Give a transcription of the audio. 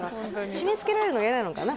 締めつけられるのが嫌なのかな？